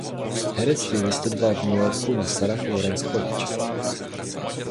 Herectví vystudoval v New Yorku na Sarah Lawrence College.